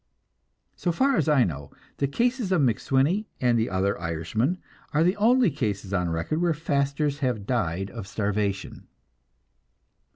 So far as I know, the cases of MacSwiney and the other Irishman are the only cases on record where fasters have died of starvation.